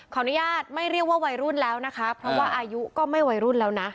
อนุญาตไม่เรียกว่าวัยรุ่นแล้วนะคะเพราะว่าอายุก็ไม่วัยรุ่นแล้วนะ